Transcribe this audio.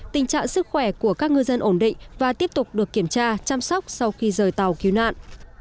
tình trạng sức khỏe của các ngư dân ổn định và tiếp tục được kiểm tra chăm sóc sau khi rời tàu cứu nạn